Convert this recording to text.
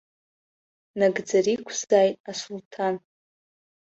Нагӡара иқәзааит асулҭан!